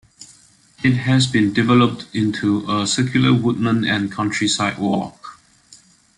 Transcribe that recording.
It has been developed into a circular woodland and countryside walk.